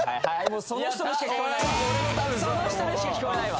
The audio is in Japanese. もうその人にしか聞こえないわ